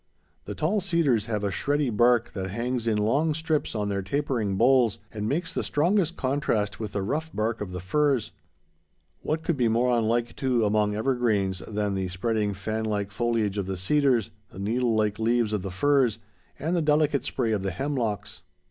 The tall cedars have a shreddy bark that hangs in long strips on their tapering boles and makes the strongest contrast with the rough bark of the firs. What could be more unlike, too, among evergreens, than the spreading fanlike foliage of the cedars, the needle like leaves of the firs, and the delicate spray of the hemlocks?